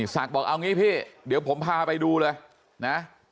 บอกเอางี้พี่เดี๋ยวผมพาไปดูเลยนะ